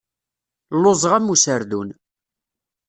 Lluẓeɣ am userdun.